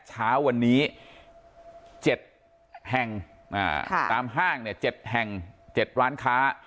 เช้าวันนี้เจ็ดแห่งอ่าค่ะตามห้างเนี้ยเจ็ดแห่งเจ็ดร้านค้า